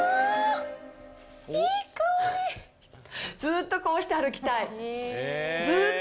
ずーっとこうして歩きたい。